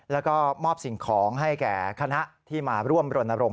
แล้วก็มอบสิ่งของให้แก่คณะที่มาร่วมรณรงค